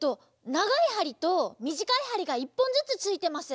ながいはりとみじかいはりが１ぽんずつついてます。